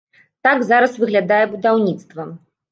Так зараз выглядае будаўніцтва.